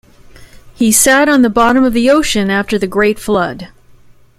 He sat on the bottom of the ocean after the Great Flood.